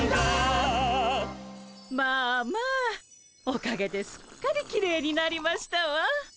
まあまあおかげですっかりきれいになりましたわ。